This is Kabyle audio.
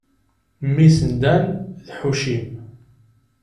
Mmi-s n Dan d Ḥucim.